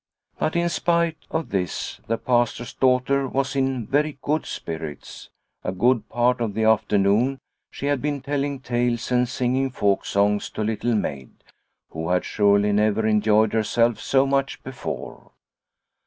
But, in spite of this, the Pastor's daughter was in very good spirits. A good part of the afternoon she had been telling tales and singing folk songs to Little Maid, who had surely never enjoyed herself so much before.